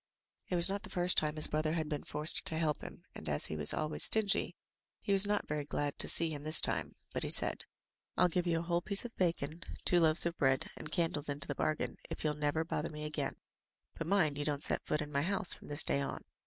It was not the first time his brother had been forced to help him, and, as he was always stingy, he was not very glad to see him this time, but he said, "Fll give you a whole piece of bacon, two loaves of bread, and candles into the bargain, if you'll never bother me again — ^but mind you don't set foot in my house from this day on."